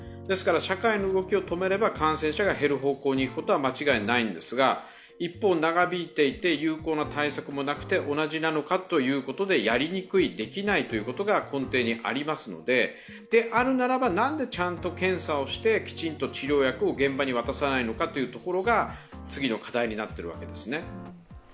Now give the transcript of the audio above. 社会の動きを止めれば感染者が減ることは間違いないんですが一方、長引いていて有効な対策もなくて同じなのかということで、やりにくい、できないということが根底にありますので、であるならば何でちゃんと検査をして、きちんと治療薬を現場に渡さないのかというところが次の課題になっているわけです。